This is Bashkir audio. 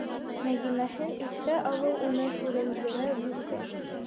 Нәғимәһен иҫкә алыу уны һүрелдерә бирҙе.